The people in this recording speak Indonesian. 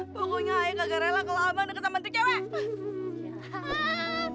bukunya saya gak garela kalo abang udah ketemu cewek